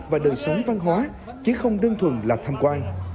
và đời sống văn hóa chứ không đơn thuần là tham quan